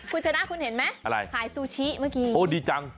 คุณชนะคุณเห็นไหมอะไรขายซูชิเมื่อกี้โอ้ดีจัง